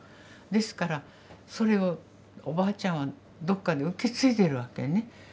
ですからそれをおばあちゃんはどっかで受け継いでるわけね。